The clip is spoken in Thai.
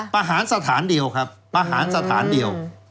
ประหารสถานเดียวครับประหารสถานเดียว